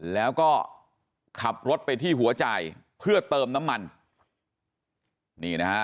แล้วก็ขับรถไปที่หัวใจเพื่อเติมน้ำมัน